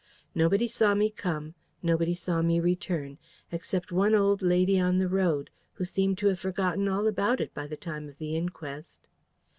Nobody saw me come: nobody saw me return, except one old lady on the road, who seemed to have forgotten all about it by the time of the inquest."